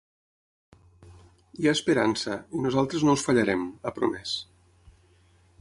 Hi ha esperança i nosaltres no us fallarem, ha promès.